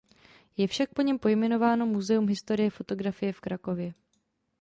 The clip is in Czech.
Je však po něm pojmenováno muzeum historie fotografie v Krakově.